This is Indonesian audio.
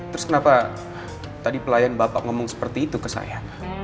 terus kenapa tadi pelayan bapak ngomong seperti itu ke saya